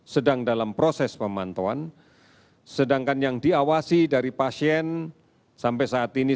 sedang dalam proses pemantauan sedangkan yang diawasi dari pasien sampai saat ini